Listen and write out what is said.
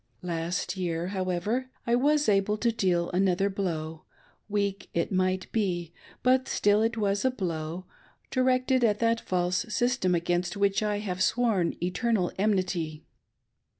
Last year, however, I was able to deal another blow — weak, it might be, but still it was a blow — directed at that false system against which I have sworn eternal enmity.